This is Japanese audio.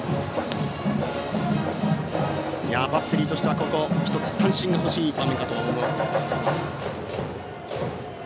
バッテリーとしては三振が欲しい場面かと思います。